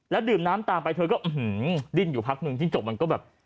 ดื่มน้ำตามไปเธอก็ดิ้นอยู่พักนึงจิ้งจกมันก็แบบ